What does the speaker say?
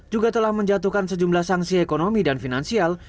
juga telah menjatuhkan sejumlah sanksi ekonomi dan finansial